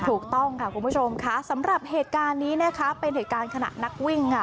ถูกต้องค่ะคุณผู้ชมค่ะสำหรับเหตุการณ์นี้นะคะเป็นเหตุการณ์ขณะนักวิ่งค่ะ